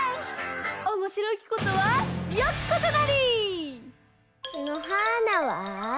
「おもしろきことはよきことなり」！のはーなは？